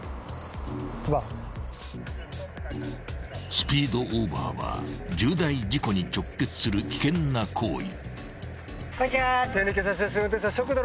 ［スピードオーバーは重大事故に直結する危険な行為］